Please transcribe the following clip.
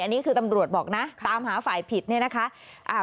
อันนี้คือตำรวจบอกนะตามหาฝ่ายผิดเนี่ยนะคะ